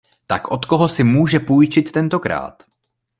Tak od koho si může půjčit tentokrát?